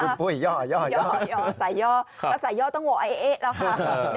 คุณปุ้ยย่อย่อย่อย่อย่อใส่ย่อแต่ใส่ย่อต้องโหวะเอ๊ะเอ๊ะแล้วค่ะ